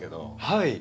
はい。